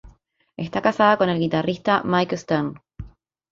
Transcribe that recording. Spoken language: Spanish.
Está casada con el guitarrista Mike Stern.